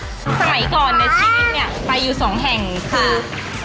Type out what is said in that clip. สมัยก่อนเนี่ยชีวิตเนี่ยไปอยู่สองแห่งคือ